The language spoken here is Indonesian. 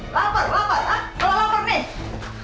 laper laper hah kalau laper nih